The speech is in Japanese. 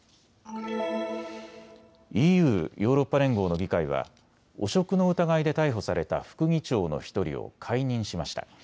ＥＵ・ヨーロッパ連合の議会は汚職の疑いで逮捕された副議長の１人を解任しました。